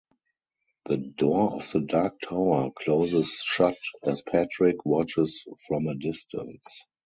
The door of the Dark Tower closes shut as Patrick watches from a distance.